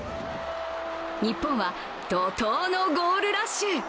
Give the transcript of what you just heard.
日本は怒とうのゴールラッシュ。